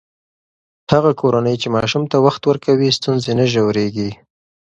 هغه کورنۍ چې ماشوم ته وخت ورکوي، ستونزې نه ژورېږي.